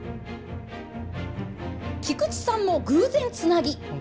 菊池さんも偶然つなぎ。